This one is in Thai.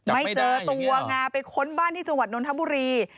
ไม่เจอตัวไงไปค้นบ้านที่จังหวัดนทบุรี